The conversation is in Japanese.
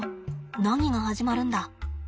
何が始まるんだ？